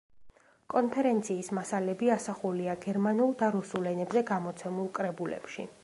კონფერენციის მასალები ასახულია გერმანულ და რუსულ ენებზე გამოცემულ კრებულებში.